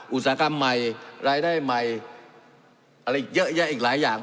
อุตสาหกรรมใหม่รายได้ใหม่อะไรอีกเยอะแยะอีกหลายอย่าง